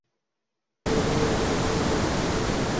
একদা হিমালয়প্রদেশে ভ্রমণ করিতেছিলাম, আমাদের সম্মুখে ছিল সুদীর্ঘ পথ।